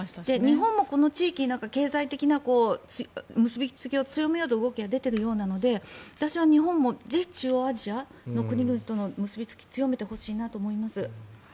日本もこの地域に経済的な結びつきを強めようという動きが出ているようなので私は日本も中央アジアの国々の結びつきを強めてほしいなと思います。